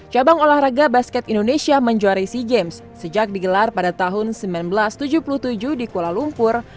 cabang olahraga basket indonesia menjuari sea games sejak digelar pada tahun seribu sembilan ratus tujuh puluh tujuh di kuala lumpur